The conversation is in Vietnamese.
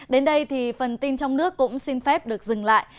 đến đây thì phần tin trong nước cũng xin phép được dừng lại